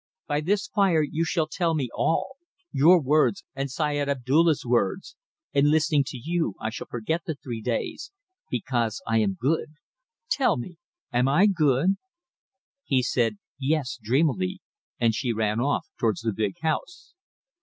By this fire you shall tell me all: your words and Syed Abdulla's words; and listening to you I shall forget the three days because I am good. Tell me am I good?" He said "Yes" dreamily, and she ran off towards the big house.